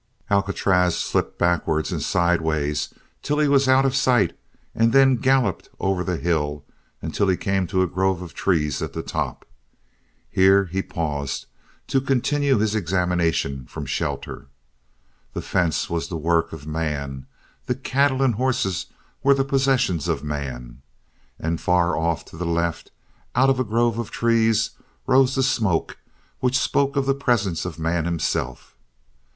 Alcatraz slipped backwards and sideways till he was out of sight and then galloped over the hill until he came to a grove of trees at the top. Here he paused to continue his examination from shelter. The fence was the work of man, the cattle and horses were the possessions of man, and far off to the left, out of a grove of trees, rose the smoke which spoke of the presence of man himself.